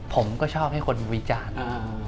ผมก็ชอบให้คนวิจารณ์